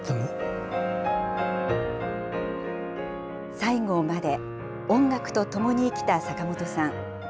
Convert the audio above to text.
最期まで、音楽と共に生きた坂本さん。